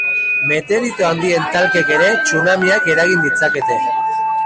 Meteorito handien talkek ere tsunamiak eragin ditzakete.